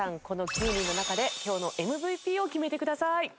このチームの中で今日のＭＶＰを決めてください。